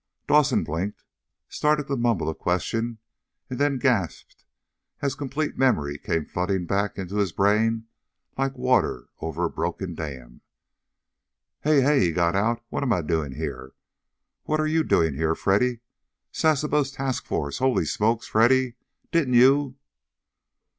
Dawson blinked, started to mumble a question, and then gasped as complete memory came flooding back into his brain like water over a broken dam. "Hey, hey!" he got out. "What am I doing here? What are you doing here, Freddy? Sasebo's task force! Holy smokes, Freddy! Didn't you